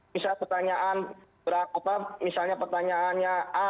misalnya pertanyaan berapa misalnya pertanyaannya a